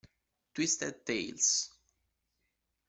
Twisted Tales